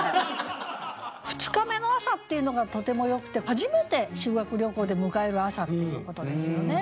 「二日目の朝」っていうのがとてもよくて初めて修学旅行で迎える朝っていうことですよね。